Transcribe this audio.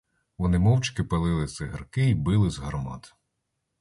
Вони мовчки палили цигарки й били з гармат.